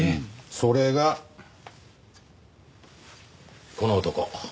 それがこの男。